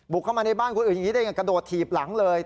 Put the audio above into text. เข้ามาในบ้านคนอื่นอย่างนี้ได้ไงกระโดดถีบหลังเลย